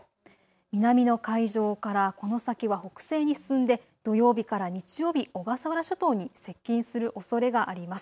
南の海上からこの先は北西に進んで土曜日から日曜日、小笠原諸島に接近するおそれがあります。